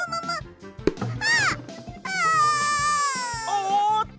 おっと！